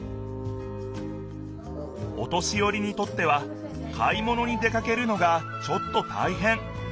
お年よりにとっては買い物に出かけるのがちょっとたいへん。